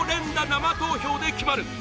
生投票で決まる！